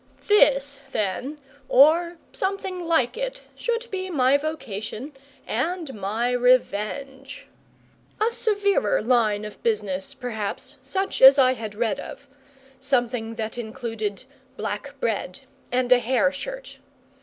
This, then, or something like it, should be my vocation and my revenge. A severer line of business, perhaps, such as I had read of; something that included black bread and a hair shirt.